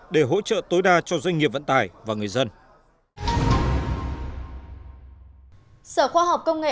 để hỗ trợ tối đa cho doanh nghiệp vận tải và người dân